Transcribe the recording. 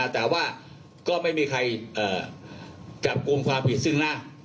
แต่ว่าก็ไม่มีใครจับกลุ่มความผิดซึ่งหน้า